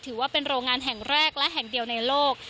ถือว่าเป็นโรงงานแห่งแรกและแห่งเดียวในโลก